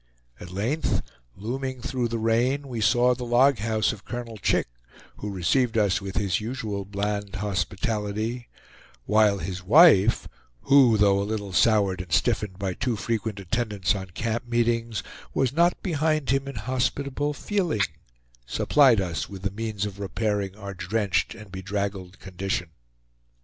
At length, looming through the rain, we saw the log house of Colonel Chick, who received us with his usual bland hospitality; while his wife, who, though a little soured and stiffened by too frequent attendance on camp meetings, was not behind him in hospitable feeling, supplied us with the means of repairing our drenched and bedraggled condition.